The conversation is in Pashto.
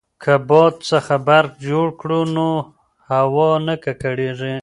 که باد څخه برق جوړ کړو نو هوا نه ککړیږي.